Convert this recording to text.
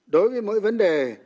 đối với mỗi vấn đề